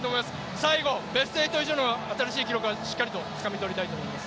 最後ベスト８以上の新しい記録をしっかりとつかみとりたいと思います。